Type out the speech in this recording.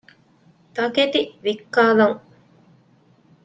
ތަކެތި ވިއްކާލަން